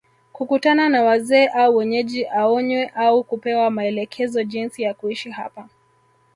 kukutana na Wazee au Wenyeji aonywe au kupewa maelekezo jinsi ya kuishi hapa